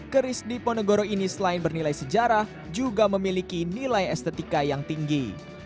keris diponegoro ini selain bernilai sejarah juga memiliki nilai eskensi